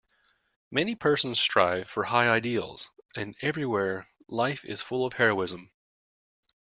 Many persons strive for high ideals, and everywhere life is full of heroism.